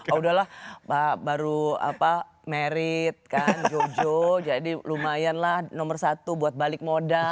ya udahlah baru merit kan jojo jadi lumayan lah nomor satu buat balik modal